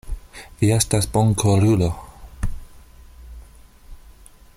Vi estas bonkorulo.